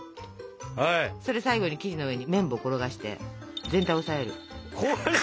それ最後に生地の上に麺棒転がして全体を押さえる。